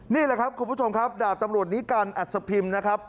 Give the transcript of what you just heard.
นี่แหละครับคุณผู้ชมครับดาบตำรวจนิกัลอัศพิมพ์นะครับ